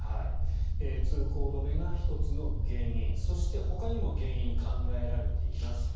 通行止めが１つの原因そして、ほかにも原因が考えられています。